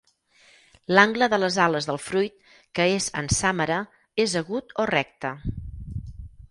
L'angle de les ales del fruit, que és en sàmara, és agut o recte.